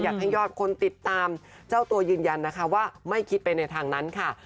อยากให้ยอดคนติดตามเจ้าตัวยืนยันนะคะว่าไม่คิดไปในทางนั้นค่ะ